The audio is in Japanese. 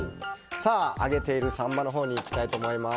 揚げているサンマのほうにいきたいと思います。